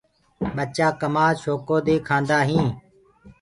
ٻچآ ڪمآد شوڪو دي کآندآ هين۔